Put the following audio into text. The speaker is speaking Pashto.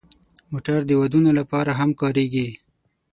موټر د ودونو لپاره هم کارېږي.